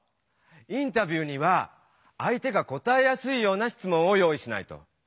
インタビューには相手が答えやすいようなしつもんを用意しないと。